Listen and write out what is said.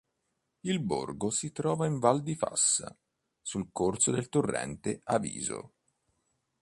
Il borgo si trova in Val di Fassa, sul corso del torrente Avisio.